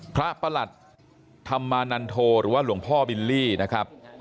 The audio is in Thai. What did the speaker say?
ประหลัดธรรมานันโทหรือว่าหลวงพ่อบิลลี่นะครับ